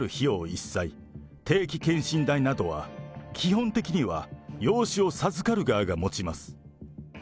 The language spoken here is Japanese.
一切、定期健診代などは、基本的には養子を授かる側がもちます。